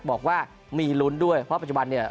บอกว่ามีลุ้นด้วยเพราะปัจจุบันเนี่ย